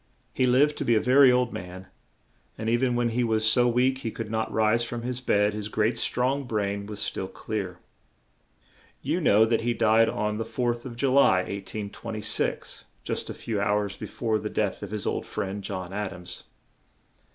He lived to be a ver y old man, and e ven when he was so weak he could not rise from his bed, his great, strong brain was still clear. You know that he died on the 4th of Ju ly, 1826, just a few hours be fore the death of his old friend, John Ad ams.